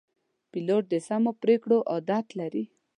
پیلوټ د سمو پرېکړو عادت لري.